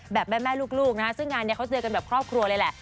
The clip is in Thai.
แบบแม่ลูกนะคะซึ่งงานนี้เขาเจอกันแบบครอบครัวเลยแหละ